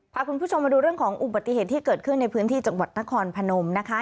พาคุณผู้ชมมาดูเรื่องของอุบัติเหตุที่เกิดขึ้นในพื้นที่จังหวัดนครพนมนะคะ